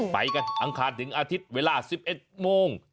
ไปกันอังคารถึงอาทิตย์เวลา๑๑โมง